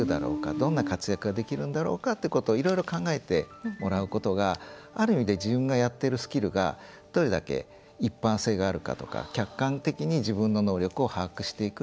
どんな活躍ができるんだろうかっていうことをいろいろ考えてもらうことがある意味で自分がやっているスキルがどれだけ一般性があるかとか客観的に自分の能力を把握していく。